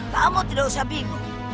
kamu tidak usah bingung